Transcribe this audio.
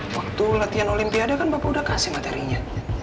waktu latihan olimpiade kan bapak udah kasih materinya